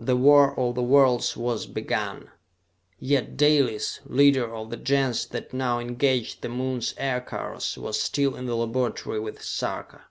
The war of the worlds was begun! Yet Dalis, leader of the Gens that now engaged the Moon's aircars, was still in the laboratory with Sarka.